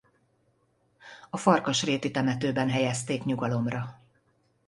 A Farkasréti temetőben helyezték nyugalomra.